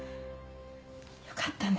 よかったね。